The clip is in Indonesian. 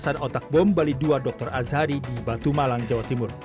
pasan otak bom bali ii dr azhari di batu malang jawa timur